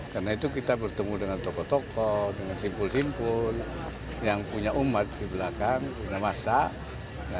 karena itu kita bertemu dengan tokoh tokoh dengan simpul simpul yang punya umat di belakang yang masak